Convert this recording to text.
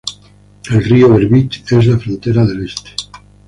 El río Berbice es la frontera del este.